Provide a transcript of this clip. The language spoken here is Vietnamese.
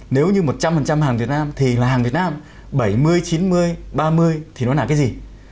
nếu như một trăm linh hàng việt nam thì là hàng việt nam bảy mươi chín mươi ba mươi thì nó là cái gì